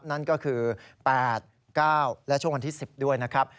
นั่นก็คือ๘๙และช่วงวันที่๑๐ด้วยนะครับ